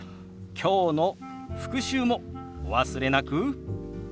きょうの復習もお忘れなく。